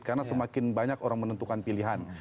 karena semakin banyak orang menentukan pilihan